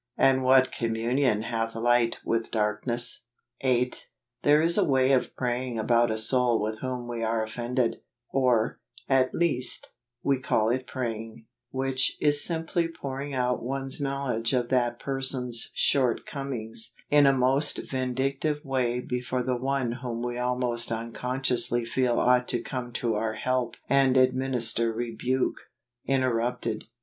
and what communion hath light with darkness ? 88 AUGUST. 8. There is a way of praying about a soul with whom we are offended—or, at least, we call it praying — which is simply pouring out one's knowledge of that per' son's shortcomings in a most vindictive way before the One whom we almost un¬ consciously feel ought to come to our help and administer rebuke. Interrupted.